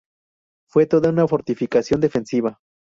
Fue toda una fortificación defensiva.